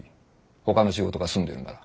ほかの仕事が済んでるなら。